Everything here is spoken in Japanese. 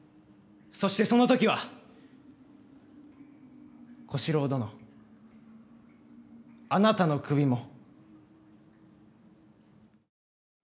そして、そのときは小四郎殿あなたの首も。